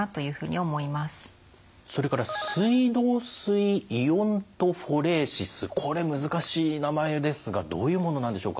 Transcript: それから水道水イオントフォレーシスこれ難しい名前ですがどういうものなんでしょうか？